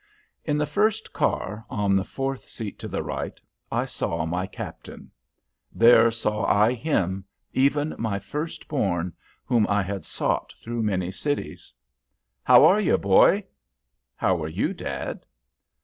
In the first car, on the fourth seat to the right, I saw my Captain; there saw I him, even my first born, whom I had sought through many cities. "How are you, Boy?" "How are you, Dad?"